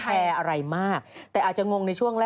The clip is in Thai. แต่ต่อไปคงจะชิน